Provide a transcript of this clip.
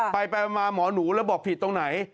ไปมาหมอหนูแล้วบอกผิดตรงไหน